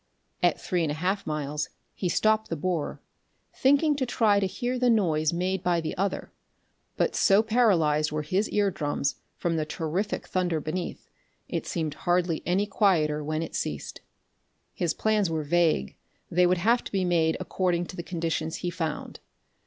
At three and a half miles he stopped the borer, thinking to try to hear the noise made by the other, but so paralyzed were his ear drums from the terrific thunder beneath, it seemed hardly any quieter when it ceased. His plans were vague; they would have to be made according to the conditions he found.